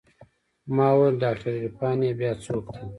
ما وويل ډاکتر عرفان يې بيا څوک دى.